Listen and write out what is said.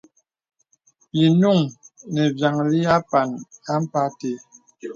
Bì nùŋ nə vyàŋli àpàŋ ampa te.